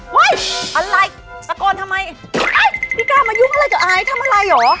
เฮ้ยอะไรปากโกนทำไมพี่ก้าวมายุ่งอะไรเจ้าอายทำอะไรเหรอ